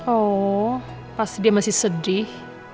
awww pasti dia masih sedih